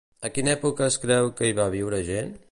A quina època es creu que hi va viure gent?